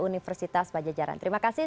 universitas bajajaran terima kasih